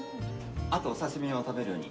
あとお刺し身を食べるように。